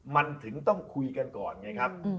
มันถึงต้องคุยกันก่อนไงครับ